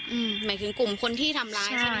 อืมหมายคุณกลุ่มคนที่ทำร้ายใช่มั้ย